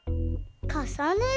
かさねる？